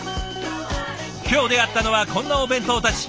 今日出会ったのはこんなお弁当たち。